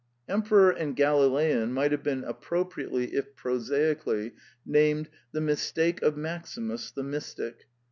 Emperor and Galilean might have been appropriately, if prosaically, named The Mistake of Maximus the Mystic.